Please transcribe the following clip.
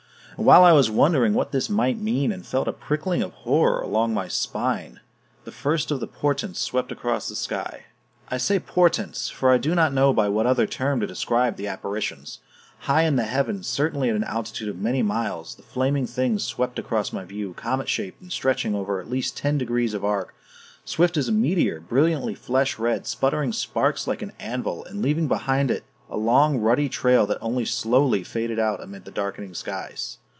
And while I was wondering what this might mean and felt a prickling of horror along my spine, the first of the portents swept across the sky. I say "portents," for I do not know by what other term to describe the apparitions; high in the heavens, certainly at an altitude of many miles, the flaming thing swept across my view, comet shaped and stretching over at least ten degrees of arc, swift as a meteor, brilliantly flesh red, sputtering sparks like an anvil, and leaving behind it a long ruddy trail that only slowly faded out amid the darkening skies.